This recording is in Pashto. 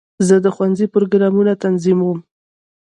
زه د ښوونځي پروګرامونه تنظیموم.